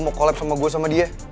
mau collab sama gue sama dia